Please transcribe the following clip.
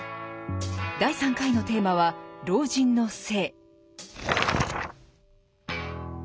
第３回のテーマは老人の性。